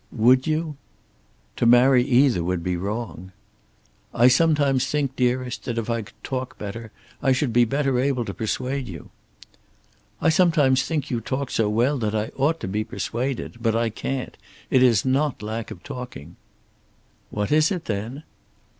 "Would you?" "To marry either would be wrong." "I sometimes think, dearest, that if I could talk better I should be better able to persuade you." "I sometimes think you talk so well that I ought to be persuaded; but I can't. It is not lack of talking." "What is it, then?"